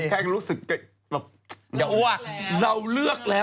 ไม่ผมแค่รู้สึกแกะแบบเราเลือกแล้วเขาบอกว่าเลือกคุณแล้ว